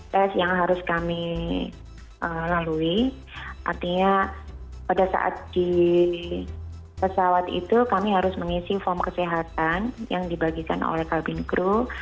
tes yang harus kami lalui artinya pada saat di pesawat itu kami harus mengisi form kesehatan yang dibagikan oleh kalbin kru